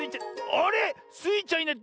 あれ⁉スイちゃんいない。